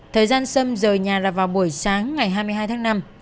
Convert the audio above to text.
thời gian xâm rời nhà là vào buổi sáng ngày hai mươi hai tháng năm